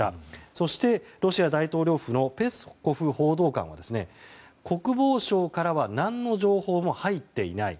そして、ロシア大統領府のペスコフ報道官は国防省からは何の情報も入っていない。